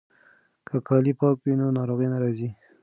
که کالي پاک وي نو ناروغي نه راځي.